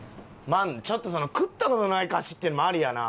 ちょっと食った事ない菓子っていうのもありやな。